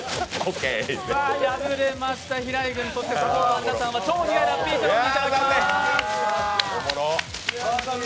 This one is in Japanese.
敗れました平井軍とサポーターの皆さんには超苦い特製ラッピー茶を飲んでいただきます。